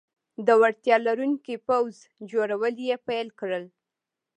د وړتیا لرونکي پوځ جوړول یې پیل کړل.